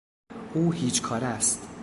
او هیچ کاره است.